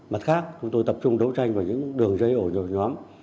mặt khác chúng tôi tập trung đấu tranh vào những đường dây ổ nhóm